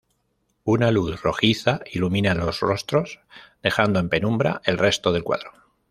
Una luz rojiza ilumina los rostros, dejando en penumbra el resto del cuadro.